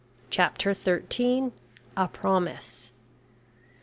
CHAPTER THIRTEEN. A PROMISE.